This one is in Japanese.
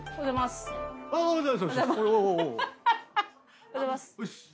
おはようございます。